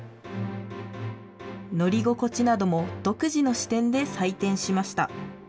乗り心地なども独自の視点で採点しました。